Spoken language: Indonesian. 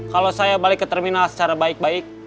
kalau saya balik ke terminal secara baik baik